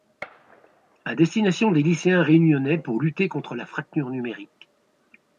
À destination des lycéens réunionnais pour lutter contre la fracture numérique.